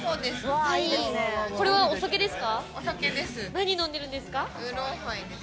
これはお酒ですか？